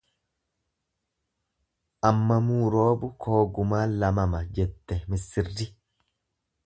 Ammamuu roobu koo gumaan lamama jette missirri.